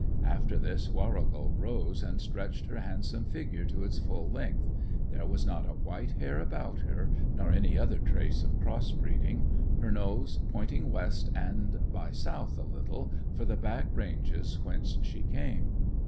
After this, Warrigal rose and stretched her handsome figure to its full length there was not a white hair about her, nor any other trace of cross breeding her nose pointing west and by south a little, for the back ranges, whence she came.